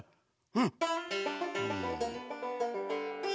うん。